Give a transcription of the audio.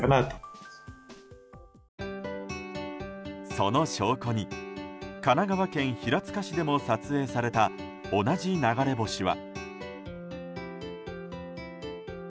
その証拠に神奈川県平塚市でも撮影された同じ流れ星は。